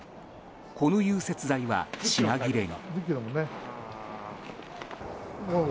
この融雪剤は品切れに。